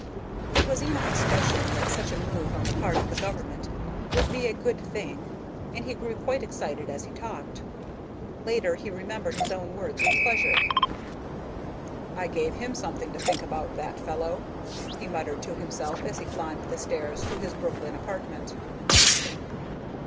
It was Enoch's notion that such a move on the part of the government would be a good thing, and he grew quite excited as he talked. Later he remembered his own words with pleasure. "I gave him something to think about, that fellow," he muttered to himself as he climbed the stairs to his Brooklyn apartment.